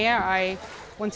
saya ingin membantu